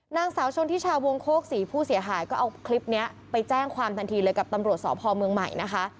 นางสาวชนทิชาวงโคกศรีผู้เสียหายก็เอาคลิปนี้ไปแจ้งความทันทีเลยกับตำรวจสพเมืองใหม่นะคะ